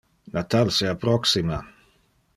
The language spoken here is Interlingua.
Natal se approxima.